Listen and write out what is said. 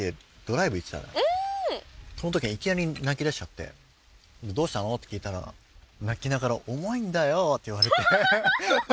その時にいきなり泣きだしちゃって「どうしたの？」って聞いたら泣きながら重いんだ。